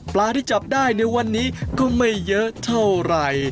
ที่จับได้ในวันนี้ก็ไม่เยอะเท่าไหร่